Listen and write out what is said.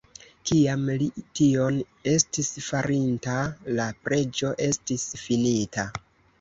Kiam li tion estis farinta, la preĝo estis finita.